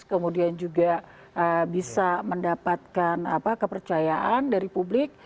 kemudian juga bisa mendapatkan kepercayaan dari publik